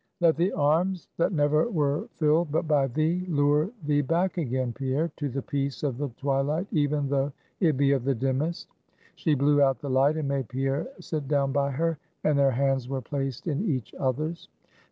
"Let the arms that never were filled but by thee, lure thee back again, Pierre, to the peace of the twilight, even though it be of the dimmest!" She blew out the light, and made Pierre sit down by her; and their hands were placed in each other's.